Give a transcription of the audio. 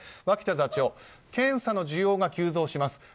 脇田座長検査の需要が急増します。